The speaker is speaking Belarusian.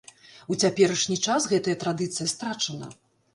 У цяперашні час гэтая традыцыя страчана.